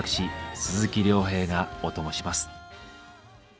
鈴木亮平がオトモします。